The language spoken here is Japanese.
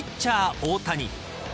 大谷。